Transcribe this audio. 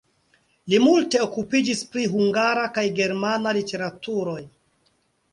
Li multe okupiĝis pri hungara kaj germana literaturoj.